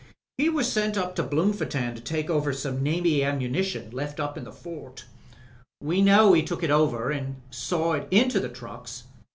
He was sent up to Bloemfon tein to take over some Navy ammunition left in the fort. We know he took it over and saw it into the trucks.